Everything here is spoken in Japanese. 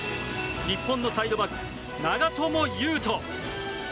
日本のサイドバック、長友佑都。